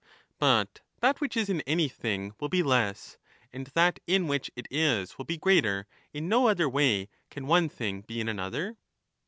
But that which is in anything will be less, and that in which it is will be greater; in no other way can one thing be in another.